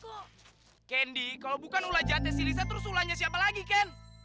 candy kalau bukan ulah jahatnya si lisa terus ulannya siapa lagi ken